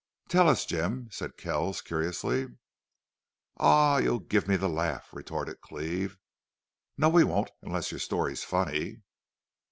"Tell us, Jim," said Kells, curiously. "Aw, you'll give me the laugh!" retorted Cleve. "No, we won't unless your story's funny."